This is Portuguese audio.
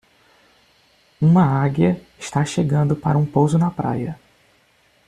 Uma águia está chegando para um pouso na praia.